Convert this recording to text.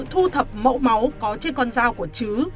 thu thập mẫu máu có trên con dao của chứ